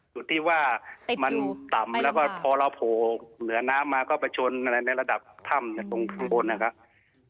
จุดที่ว่ามันต่ำแล้วก็พอเราโผล่เหนือน้ำมาก็ไปชนอะไรในระดับถ้ำตรงข้างบนนะครับ